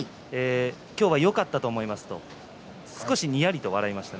今日はよかったと思いますと少し、にやりと笑っていました。